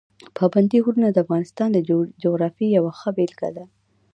پابندي غرونه د افغانستان د جغرافیې یوه ښه بېلګه ده.